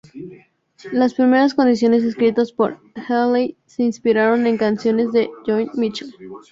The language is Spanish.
Las primeras canciones escritas por Healy se inspiraron en canciones de Joni Mitchell.